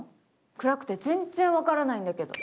暗くて全然分からないんだけど。